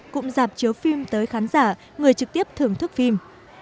cũng dạp chiếu phim tới khán giả người trực tiếp thưởng thức phim